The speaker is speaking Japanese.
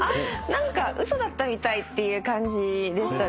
何か嘘だったみたいっていう感じでしたね。